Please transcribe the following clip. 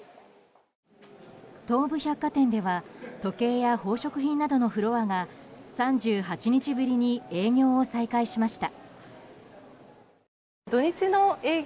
東武百貨店では時計や宝飾品などのフロアが３８日ぶりに営業を再開しました。